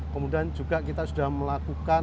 kemudian juga kita sudah melakukan